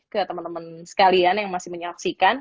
ke teman teman sekalian yang masih menyaksikan